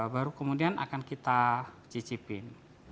baru kemudian akan kita cicipin